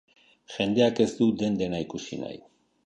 Jendeak ez du den-dena ikusi nahi.